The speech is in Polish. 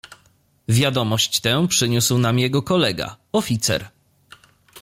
"Wiadomość tę przyniósł nam jego kolega, oficer."